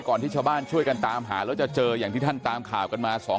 ที่ชาวบ้านช่วยกันตามหาแล้วจะเจออย่างที่ท่านตามข่าวกันมา